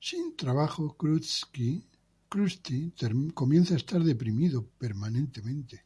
Sin trabajo, Krusty comienza a estar deprimido permanentemente.